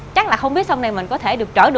chắc là không biết sau này mình có thể